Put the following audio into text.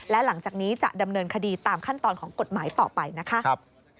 และหลังจากนี้จะดำเนินคดีตามขั้นตอนของกฎหมายต่อไปนะคะ